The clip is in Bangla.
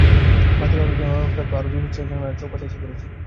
বাতির আলো যেন আরো রক্তাক্ত, আরো বীভৎস হয়ে ভেতরের জানালার চৌকাঠে এসে পড়েছে।